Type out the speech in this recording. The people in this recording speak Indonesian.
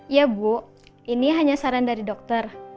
ya bu ini hanya saran dari dokter